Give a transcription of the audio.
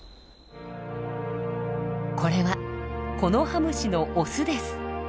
これはコノハムシのオスです。